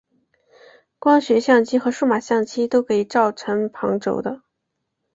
光学相机和数码相机都可以造成旁轴的。